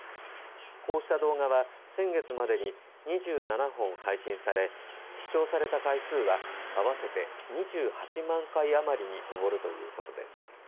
こうした動画は、先月までに２７本を配信され視聴された回数は合わせて２８万回余りに上るということです。